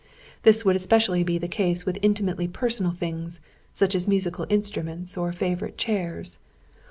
This would especially be the case with intimately personal things, such as musical instruments, or favourite chairs.